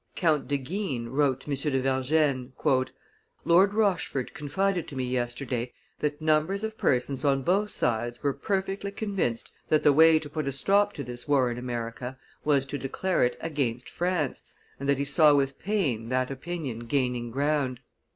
Count de Guines wrote to M. de Vergennes "Lord Rochford confided to me yesterday that numbers of persons on both sides were perfectly convinced that the way to put a stop to this war in America was to declare it against France, and that he saw with pain that opinion gaining ground.